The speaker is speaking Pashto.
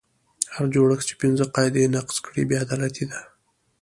هر جوړښت چې پنځه قاعدې نقض کړي بې عدالتي ده.